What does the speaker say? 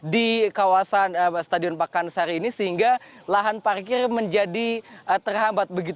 di kawasan stadion pakansari ini sehingga lahan parkir menjadi terhambat